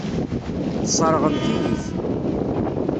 Tesseṛɣemt-iyi-t.